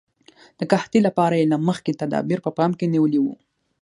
د قحطۍ لپاره یې له مخکې تدابیر په پام کې نیولي وو.